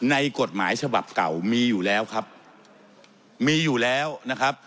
ในกฎหมายฉบับเก่ามีอยู่แล้วครับมีอยู่แล้วนะครับ